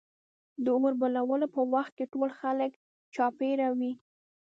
د اور بلولو په وخت کې ټول خلک چاپېره وي.